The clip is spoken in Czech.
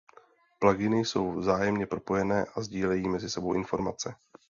Pluginy jsou vzájemně propojené a sdílejí mezi sebou informace.